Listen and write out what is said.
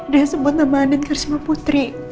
dia sebut nama adit karisma putri